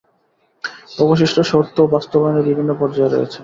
অবশিষ্ট শর্তও বাস্তবায়নের বিভিন্ন পর্যায়ে রয়েছে।